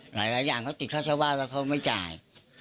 หลายอย่างเขาติดค่าเช่าบ้านแล้วเขาไม่จ่าย